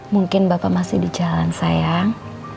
mungkin bapak masih di jalan sayang